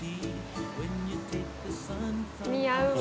似合うわ。